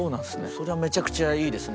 それはめちゃくちゃいいですね。